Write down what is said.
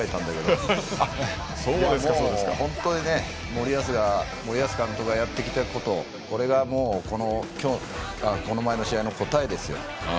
もう本当に森保監督がやってきたことこれがこの前の試合の答えですよ。